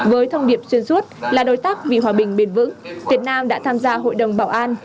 với thông điệp xuyên suốt là đối tác vì hòa bình bền vững việt nam đã tham gia hội đồng bảo an